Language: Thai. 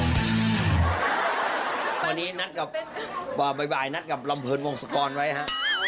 วันนี้นัดกับบ่ายนัดกับลำเพิร์นวงสกรไว้ฮะ